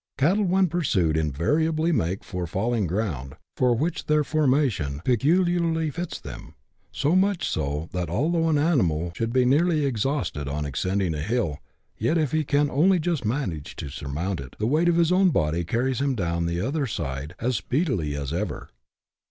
Cattle when pursued invariably make for falling ground, for which their formation peculiarly fits them ; so much so, that, although an animal should be nearly exhausted on ascending a hill, yet if he can only just manage to surmount it, the weight of his own body carries him down on the other side as speedily as ever.